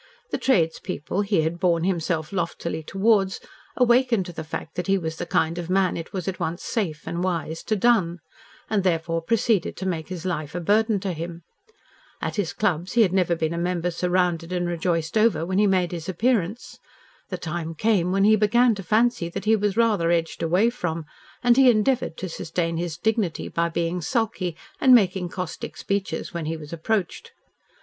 The tradespeople he had borne himself loftily towards awakened to the fact that he was the kind of man it was at once safe and wise to dun, and therefore proceeded to make his life a burden to him. At his clubs he had never been a member surrounded and rejoiced over when he made his appearance. The time came when he began to fancy that he was rather edged away from, and he endeavoured to sustain his dignity by being sulky and making caustic speeches when he was approached.